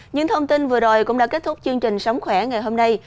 những thông tin vừa rồi cũng đã kết thúc chương trình sống khỏe ngày hôm nay